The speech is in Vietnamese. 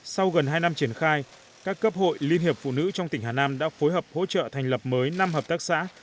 sau gần hai năm triển khai các cấp hội liên hiệp phụ nữ trong tỉnh hà nam đã phối hợp hỗ trợ thành lập mới năm hợp tác xã